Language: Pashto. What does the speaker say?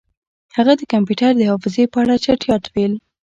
هغه د کمپیوټر د حافظې په اړه چټیات ویل